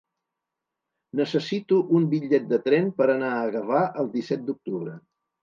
Necessito un bitllet de tren per anar a Gavà el disset d'octubre.